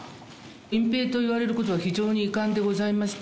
隠蔽といわれることは非常に遺憾でございまして。